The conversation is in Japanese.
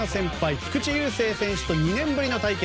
菊池雄星選手と２年ぶりの対決。